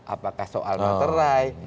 apakah soal materai